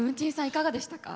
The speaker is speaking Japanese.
いかがでしたか？